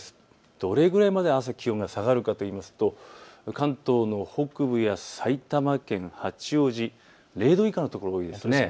どれぐらいまで朝、気温が下がるかというと関東の北部や埼玉県、八王子、０度以下の所が多いです。